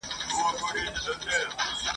د ځنګله پاچا په ځان پوري حیران وو !.